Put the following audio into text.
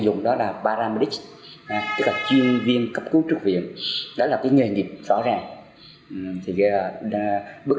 dùng đó là paramedics tức là chuyên viên cấp cứu trước viện đó là cái nghề nghiệp rõ ràng thì bước